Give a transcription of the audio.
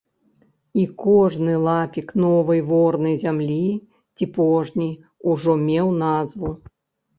І кожны лапік новай ворнай зямлі ці пожні ўжо меў назву.